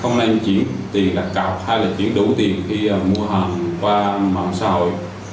không nên chuyển tiền đặc cạo hay là chuyển đủ tiền khi mua hàng qua mạng xã hội